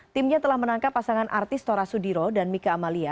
timnya telah menangkap pasangan artis tora sudiro dan mika amalia